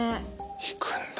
行くんだ。